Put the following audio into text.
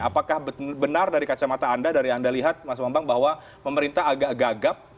apakah benar dari kacamata anda dari yang anda lihat mas bambang bahwa pemerintah agak gagap